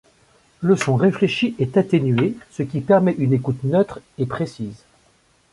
Le son réfléchi est atténué, ce qui permet une écoute neutre et précise.